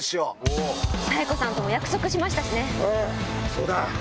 そうだ。